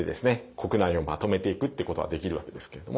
国内をまとめていくってことはできるわけですけれども。